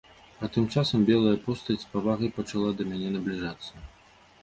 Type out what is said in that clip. А тым часам белая постаць з павагай пачала да мяне набліжацца.